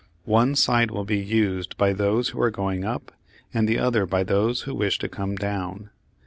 One side will be used by those who are going up and the other by those who wish to come down.